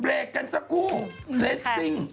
โอ๊ยเขาสุดเลยละ